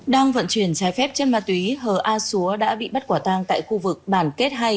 đang vận chuyển trái phép chân ma túy hờ a xúa đã bị bắt quả tang tại khu vực bản kết hai